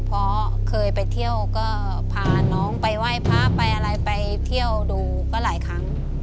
เพราะเคยไปเที่ยวก็พาน้องไปไหว้พระไปอะไรไปเที่ยวดูก็หลายครั้ง